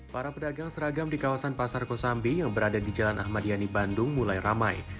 para pedagang seragam di kawasan pasar kosambi yang berada di jalan ahmad yani bandung mulai ramai